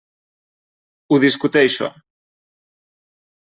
Ho discuteixo.